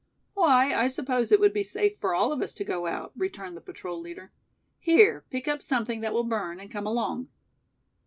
"Why, I suppose it would be safe for all of us to go out," returned the patrol leader. "Here, pick up something that will burn, and come along."